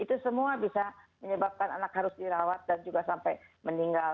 itu semua bisa menyebabkan anak harus dirawat dan juga sampai meninggal